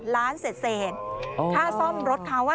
ล้านเศษค่าซ่อมรถเขา